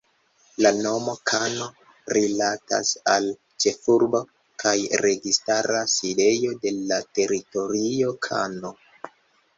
La nomo "Kano" rilatas al la ĉefurbo kaj registara sidejo de la teritorio, Kano.